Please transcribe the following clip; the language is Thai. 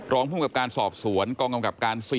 รองภูมิกับการสอบสวนกองกำกับการ๔